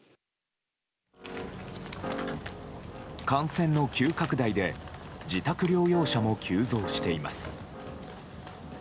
感染の急拡大で自宅療養者も急増しています。